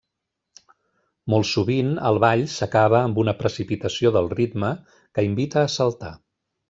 Molt sovint el ball s'acaba amb una precipitació del ritme que invita a saltar.